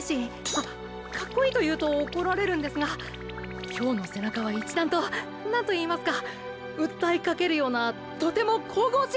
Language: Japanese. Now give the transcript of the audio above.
あカッコイイというとおこられるんですが今日の背中は一段と何といいますか訴えかけるようなとても神々しい背中でした！！